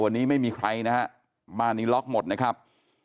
วันนี้ไม่มีใครนะฮะบ้านนี้ล็อกหมดนะครับ